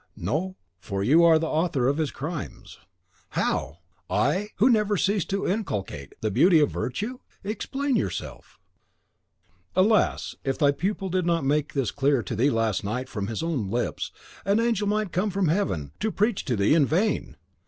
"No, for you are the author of his crimes." "How! I, who never ceased to inculcate the beauty of virtue? Explain yourself." "Alas! if thy pupil did not make this clear to thee last night from his own lips, an angel might come from heaven to preach to thee in vain."